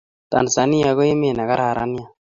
Tanzania ko emet ne kararan nea